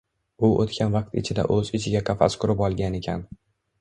U oʻtgan vaqt ichida oʻz ichiga qafas qurib olgan ekan…